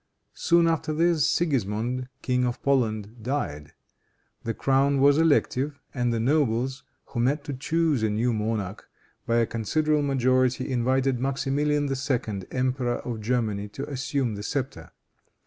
Soon after this, Sigismond, King of Poland, died. The crown was elective, and the nobles, who met to choose a new monarch, by a considerable majority invited Maximilian II., Emperor of Germany, to assume the scepter.